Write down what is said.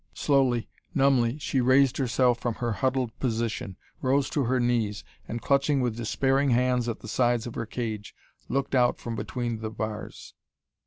Slowly, numbly she raised herself from her huddled position, rose to her knees, and clutching with despairing hands at the sides of her cage, looked out from between the bars.